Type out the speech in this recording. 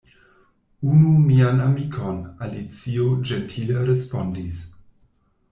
"Unu mian amikon," Alicio ĝentile respondis.